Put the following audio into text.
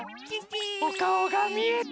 おかおがみえた！